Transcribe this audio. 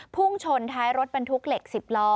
พุ่งชนท้ายรถบรรทุกเหล็ก๑๐ล้อ